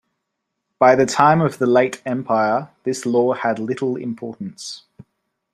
By the time of the late empire, this law had little importance.